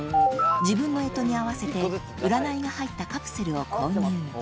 自分の干支に合わせて占いが入ったカプセルを購入